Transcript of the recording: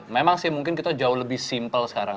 memang sih mungkin kita jauh lebih simpel sekarang